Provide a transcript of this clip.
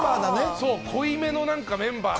そう、濃いめのメンバーで。